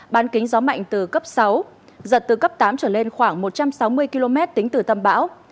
bán kính gió mạnh từ cấp sáu giật từ cấp tám trở lên khoảng một trăm sáu mươi km tính từ tâm bão